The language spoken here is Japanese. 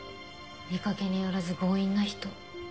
見かけによらず強引な人。